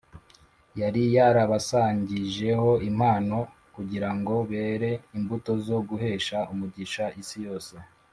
yari yarabasagijeho impano, kugira ngo bere imbuto zo guhesha umugisha isi yose